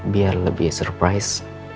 biar lebih surprise